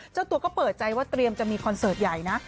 เจ้าตัวก็เปิดใจว่าเตรียมจะมีคอนเสิร์ตใหญ่นะ